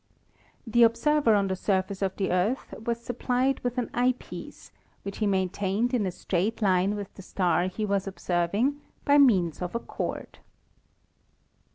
The observer on the surface of the Earth was supplied with an eye piece which he maintained in a straight line with the star he was observing by means of a cord.